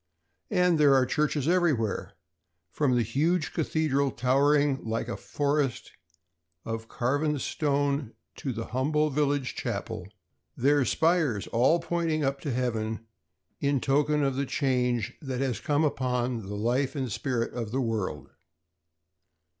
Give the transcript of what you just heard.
And there are churches everywhere, from the huge cathedral towering like a forest of carven stone to the humble village chapel or wayside shrine, their spires all pointing up to heaven in token of the change that has come upon the life and spirit of the world.